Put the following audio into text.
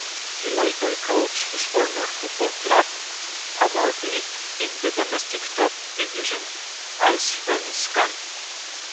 He later coached his former football club Hammarby in the domestic top division Allsvenskan.